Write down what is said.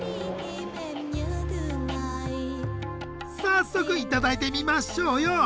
早速頂いてみましょうよ！